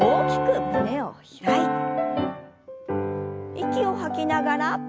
息を吐きながら。